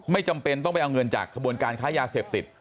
จำเป็นต้องไปเอาเงินจากขบวนการค้ายาเสพติด